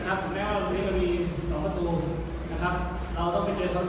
จากนั้นเรายังต้องศึกษาเกิดขุมการ